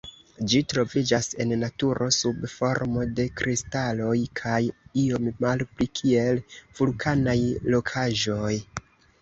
Ĝi troviĝas en naturo sub formo de kristaloj kaj iom malpli kiel vulkanaj rokaĵoj.